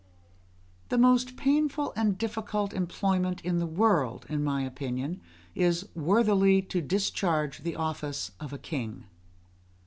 The most painful and difficult employment in the world, in my opinion, is worthily to discharge the office of a king.